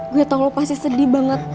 gue tau lo pasti sedih banget